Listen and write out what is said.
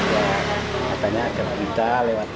ya katanya ada berita lewat